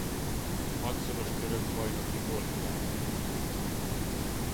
Hatszoros török bajnoki gólkirály.